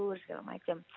terus segala macem